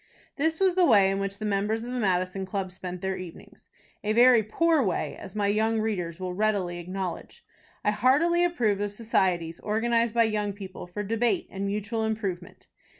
This was the way in which the members of the Madison Club spent their evenings, a very poor way, as my young readers will readily acknowledge. I heartily approve of societies organized by young people for debate and mutual improvement.